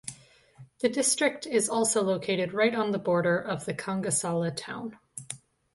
The district is also located right on the border of the Kangasala town.